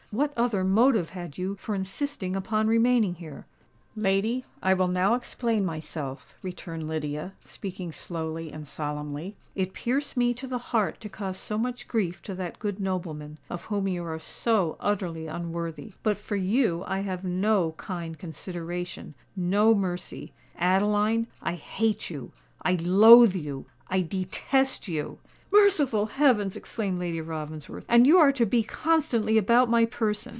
What other motive had you for insisting upon remaining here?" "Lady, I will now explain myself," returned Lydia, speaking slowly and solemnly. "It pierced me to the heart to cause so much grief to that good nobleman, of whom you are so utterly unworthy; but for you I have no kind consideration—no mercy. Adeline, I hate you—I loathe you—I detest you!" "Merciful heavens!" exclaimed Lady Ravensworth: "and you are to be constantly about my person!"